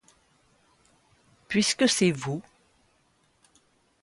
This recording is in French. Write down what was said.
Puisque c'est vous.